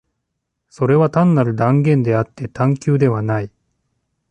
それは単なる断言であって探求ではない。